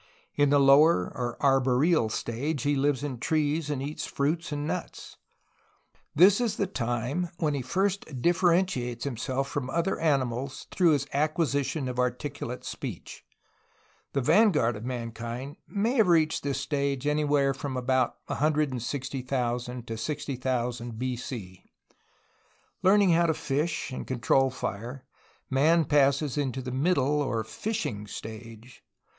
In the lower or arboreal stage he lives in trees, and eats fruits and nuts. This is the time when he first differ entiates himself from other animals through his acquisition of articulate speech. The vanguard of mankind may have reached this stage anywhere from about 160,000 to 60,000 B. C. Learning how to fish and to control fire, man passes into the middle, or fishing, stage.